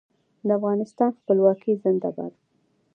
د افغانستان خپلواکي زنده باد.